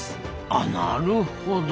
あなるほど。